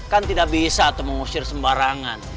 kan tidak bisa atau mengusir sembarangan